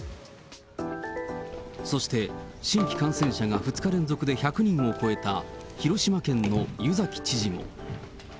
そして新規感染者が２日連続で１００人を超えた広島県の湯崎知事。